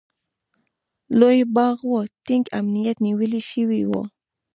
لوی باغ و، ټینګ امنیت نیول شوی و.